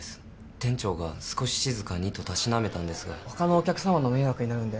店長が「少し静かに」とたしなめたんですが他のお客様の迷惑になるんで